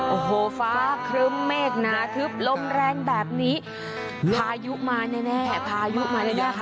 โอ้โหฟ้าครึ้มเมฆหนาทึบลมแรงแบบนี้พายุมาแน่แน่พายุมาแน่ค่ะ